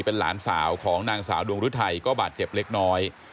เป็นหลานสาวของนางสาวดวงฤทัยก็บาดเจ็บเล็กน้อย